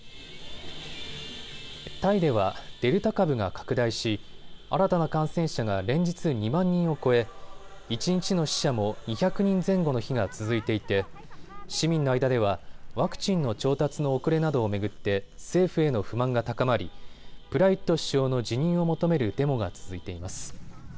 タイではデルタ株が拡大し新たな感染者が連日２万人を超え一日の死者も２００人前後の日が続いていて市民の間ではワクチンの調達の遅れなどを巡って政府への不満が高まりプラユット首相の辞任を求めるデモが続いています。